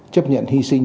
chấp nhận hy sinh